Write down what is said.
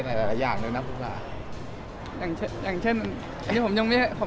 คิดว่าตัวเร่งมันต้องมาเป็น